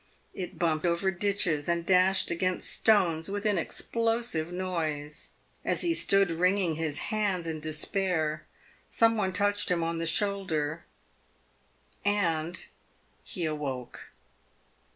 It bumped over ditches and dashed against stones with an explosive noise. As he» stood wringing his hands in despair, some one touched him on the shoulder, and he awoke.